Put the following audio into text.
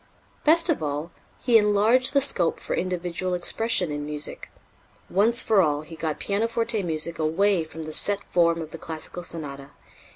Best of all, he enlarged the scope for individual expression in music. Once for all, he got pianoforte music away from the set form of the classical sonata.